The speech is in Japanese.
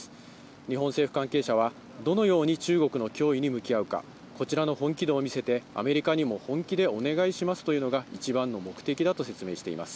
日本政府関係者は、どのように中国の脅威に向き合うか、こちらの本気度を見せて、アメリカにも本気でお願いしますというのが一番の目的だと説明しています。